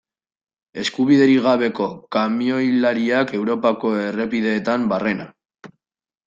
Eskubiderik gabeko kamioilariak Europako errepideetan barrena.